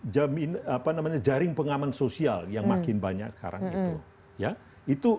yang jaring pengaman sosial yang makin banyak sekarang itu